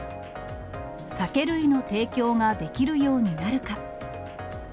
酒類の提供ができるようになるか。